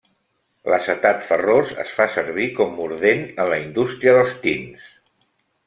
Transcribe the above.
L'acetat ferrós es fa servir com mordent en la indústria dels tints.